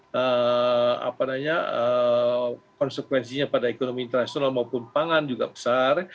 karena konsekuensinya pada ekonomi internasional maupun pangan juga besar